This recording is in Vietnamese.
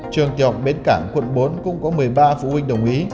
trường tiểu học bến cảng quận bốn cũng có một mươi ba phụ huynh đồng ý